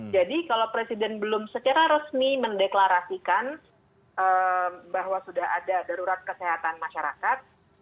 jadi kalau presiden belum secara resmi mendeklarasikan bahwa sudah ada darurat kesehatan masyarakat